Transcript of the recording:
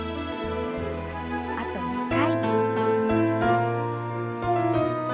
あと２回。